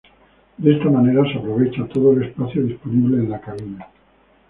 De esta manera se aprovecha todo el espacio disponible en la cabina.